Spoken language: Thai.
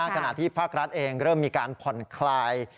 ขณะที่ภาครัฐเองเริ่มมีการผ่อนคลาย